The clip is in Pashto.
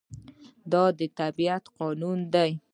دا د طبیعت قانون دی.